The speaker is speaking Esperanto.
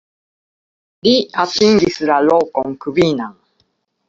Li atingis la lokon kvinan.